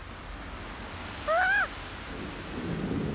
あっ！